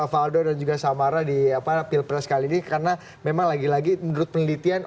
valdo dan juga samara di pilpres kali ini karena memang lagi lagi menurut penelitian